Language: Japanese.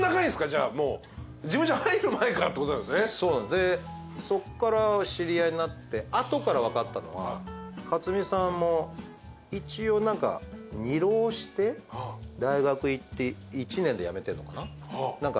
でそっから知り合いになって後から分かったのは克実さんも２浪して大学行って１年で辞めてんのかな？